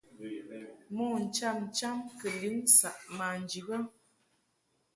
Mo ncham cham kɨ lin saʼ manji bə.